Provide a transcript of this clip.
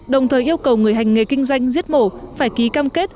đồng thời yêu cầu người hành nghề kinh doanh giết mổ phải ký cam kết